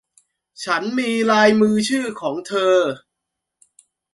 ฉันมีลายมือชื่อของเธอ